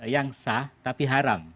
yang sah tapi haram